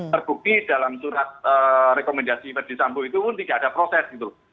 terbukti dalam surat rekomendasi perti sampo itu pun tidak ada proses